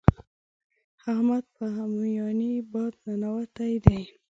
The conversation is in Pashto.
د احمد په هميانۍ باد ننوتی دی.